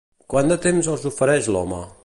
Quant de temps els ofereix l'home?